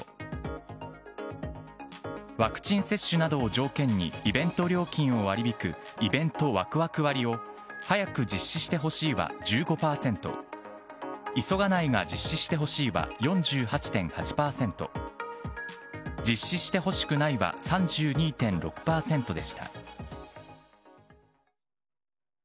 ワクチン接種などを条件にイベント料金を割り引く、イベントワクワク割を早く実施してほしいは１５％、急がないが実施してほしいは４８．８％、実施してほしくないは３２．６％でした。